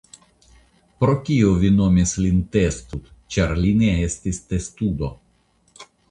Pro kio vi nomis lin Testud ĉar li ne estis Testudo?